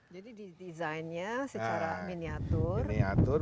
jadi di desainnya secara miniatur